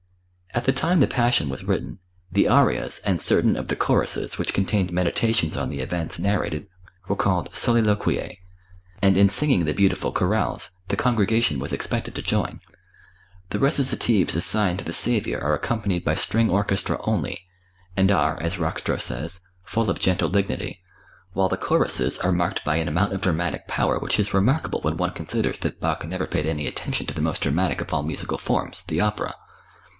At the time the "Passion" was written, the arias and certain of the choruses which contained meditations on the events narrated were called "Soliloquiæ"; and in singing the beautiful chorales, the congregation was expected to join. The recitatives assigned to the Saviour are accompanied by string orchestra only, and are, as Rockstro says, full of gentle dignity, while the choruses are marked by an amount of dramatic power which is remarkable when one considers that Bach never paid any attention to the most dramatic of all musical forms, the opera.